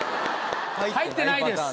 入ってないです。